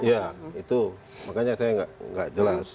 ya itu makanya saya nggak jelas